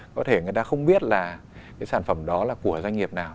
có thể người ta không biết là cái sản phẩm đó là của doanh nghiệp nào